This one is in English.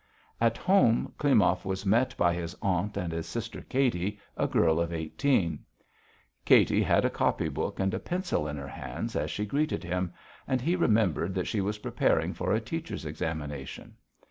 At home Klimov was met by his aunt and his sister Katy, a girl of eighteen. Katy had a copy book and a pencil in her hands as she greeted him, and he remembered that she was preparing for a teacher's examination.